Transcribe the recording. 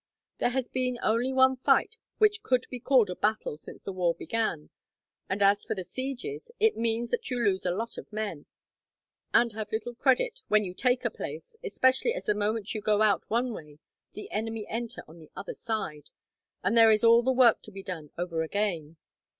There has only been one fight which could be called a battle since the war began; and as for the sieges, it means that you lose a lot of men, and have little credit when you take a place, especially as the moment you go out one way the enemy enter on the other side, and there is all the work to be done over again."